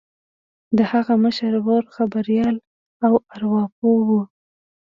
د هغه مشر ورور خبریال او ارواپوه و